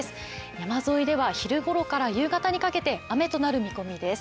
山沿いでは昼ごろから夕方にかけて雨となる見込みです。